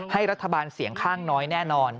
ให้รัฐบาลเสียงข้างน้อยแน่นอน